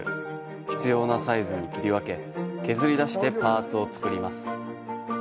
必要なサイズに切り分け削り出してパーツをつくります。